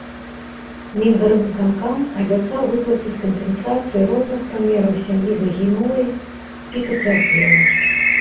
Мінгарвыканкам абяцаў выплаціць кампенсацыі розных памераў сям'і загінулай і пацярпелым.